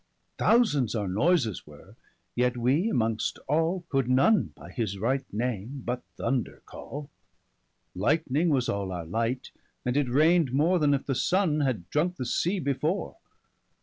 40 Thousands our noyses were, yet wee'mongst all Could none by his right name, but thunder call: Lightning was all our light, and it rain'd more Then if the Sunne had drunke the sea before.